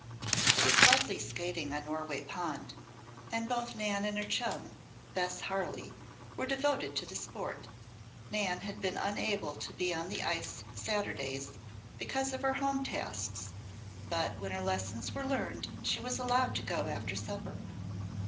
It was lovely skating on Norway Pond, and both Nan and her chum, Bess Harley, were devoted to the sport. Nan had been unable to be on the ice Saturdays, because of her home tasks; but when her lessons were learned, she was allowed to go after supper.